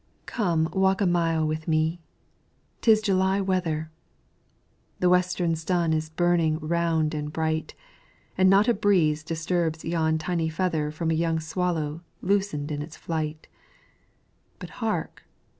JULY. Come walk a mile with me 'Tis July weather; The western sun is burning round and bright, And not a breeze disturbs yon tiny feather From a young swallow loosen'd in its flight; But hark!